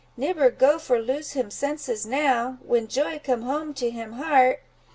Nibber go for lose him senses now, when joy come home to him heart!